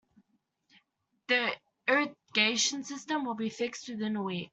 The irrigation system will be fixed within a week.